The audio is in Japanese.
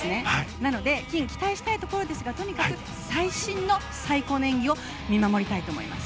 なので金を期待したいところですが最新の最高の演技を見守りたいと思います。